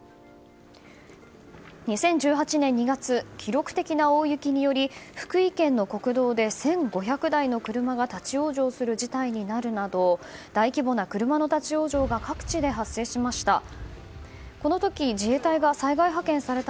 ２０１８年２月記録的な大雪により福井県の国道で１５００台の車が立ち往生する事態になるなど大規模な車の立ち往生が各地で発生しました。